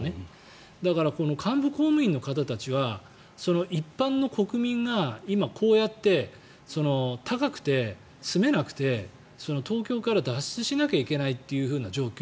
だから、幹部公務員の方たちは一般の国民が今、こうやって高くて住めなくて東京から脱出しなきゃいけないという状況。